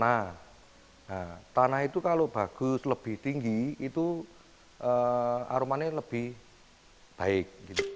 nah tanah itu kalau bagus lebih tinggi itu aromanya lebih baik